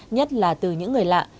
nhất là từ những người lạ